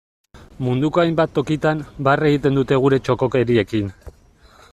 Munduko hainbat tokitan, barre egiten dute gure txokokeriekin.